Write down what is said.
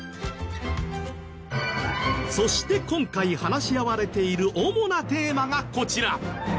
そして今回話し合われている主なテーマがこちら。